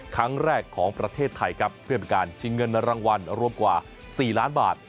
ครั้งแรกของประเทศไทยครับเพื่อเป็นการชิงเงินรางวัลรวมกว่า๔ล้านบาท